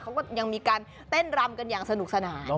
เขาก็ยังมีการเต้นรำกันอย่างสนุกสนาน